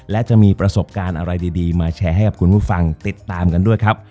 และจะมีประสบการณ์อะไรดีมาแชร์ให้กับคุณผู้ฟังติดตามกันด้วยครับ